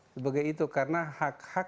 sebagai itu karena hak hak itu tidak dikurangi